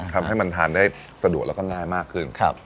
ทำให้มันทานได้สะดวกแล้วก็ง่ายมากขึ้น